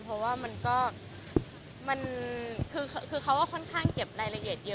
เพราะว่ามันก็คือเขาก็ค่อนข้างเก็บรายละเอียดเยอะ